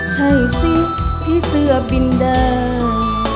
ใช่สิพี่เสื้อบินแดง